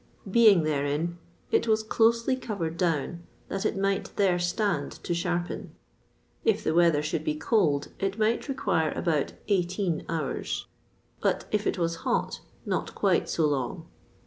Being therein, it was closely covered down, that it might there stand to sharpen; if the weather should be cold it might require about eighteen hours, but if it was hot not quite so long.